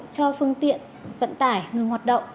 cho phương tiện vận tải ngừng hoạt động